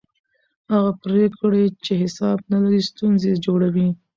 هغه پرېکړې چې حساب نه لري ستونزې جوړوي